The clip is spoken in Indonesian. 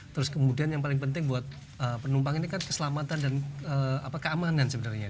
terus kemudian yang paling penting buat penumpang ini kan keselamatan dan keamanan sebenarnya